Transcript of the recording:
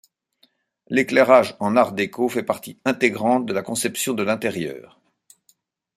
L'éclairage en Art déco fait partie intégrante de la conception de l'intérieur.